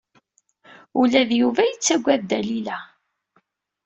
Ula d Yuba yettaggad Dalila.